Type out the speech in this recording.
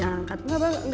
enggak usah abang